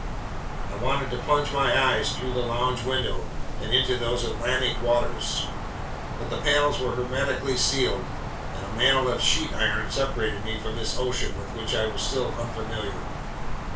I wanted to plunge my eyes through the lounge window and into these Atlantic waters; but the panels were hermetically sealed, and a mantle of sheet iron separated me from this ocean with which I was still unfamiliar.